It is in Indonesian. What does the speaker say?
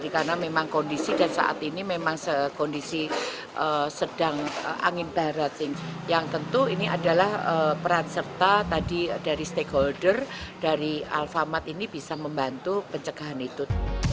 ini memang kondisi sedang angin berat yang tentu ini adalah peran serta tadi dari stakeholder dari alphamart ini bisa membantu pencegahan itu